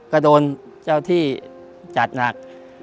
ก็โดนเจ้าที่จัดหนัก